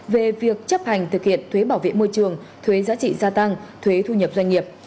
về việc chấp hành thực hiện thuế bảo vệ môi trường thuế giá trị gia tăng thuế thu nhập doanh nghiệp